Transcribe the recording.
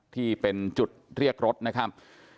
ที่เป็นจุดเรียกรถนะครับ